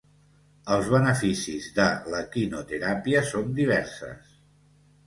Els beneficis de l’equinoteràpia són diverses.